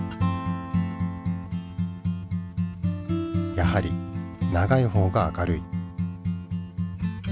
やはり長い方が明るい。